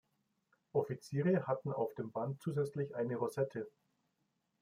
Offiziere hatte auf dem Band zusätzlich eine Rosette.